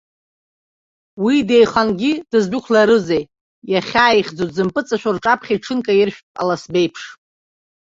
Уи деихангьы дыздәықәларызеи, иахьааихьӡо дзымпыҵашәо рҿаԥхьа иҽынкаиршәып аласба еиԥш.